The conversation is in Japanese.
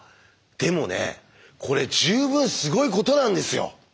でもねこれ十分すごいことなんですよ。